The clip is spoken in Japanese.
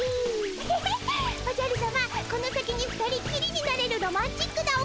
フフフッおじゃるさまこの先に二人っきりになれるロマンチックなおかがありまする。